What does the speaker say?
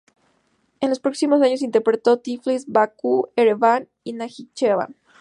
En los próximos años interpretó en Tiflis, Bakú, Ereván y Najicheván.